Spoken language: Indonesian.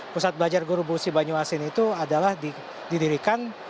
pusat belajar guru musi banyu asin itu adalah didirikan